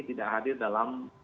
tidak hadir dalam